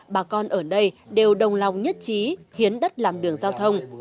bà con ở đây đều đồng lòng nhất trí hiến đất làm đường giao thông